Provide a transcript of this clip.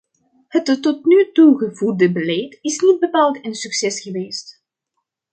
Het tot nu toe gevoerde beleid is niet bepaald een succes geweest.